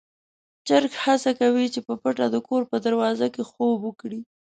چرګ هڅه کوي چې په پټه د کور په دروازه کې خوب وکړي.